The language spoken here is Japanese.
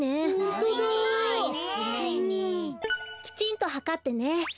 きちんとはかってね。